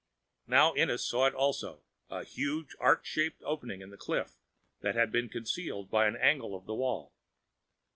Now Ennis saw it also, a huge arch like opening in the cliff that had been concealed by an angle of the wall.